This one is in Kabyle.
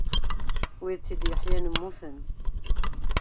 Wid tt-id-yeḥyan mmuten.